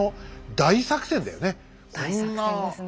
大作戦ですね。